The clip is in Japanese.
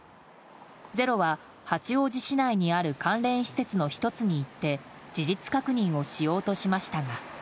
「ｚｅｒｏ」は八王子市内にある関連施設の１つに行って事実確認をしようとしましたが。